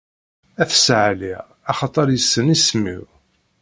Ad t-ssaɛliɣ axaṭer issen isem-iw.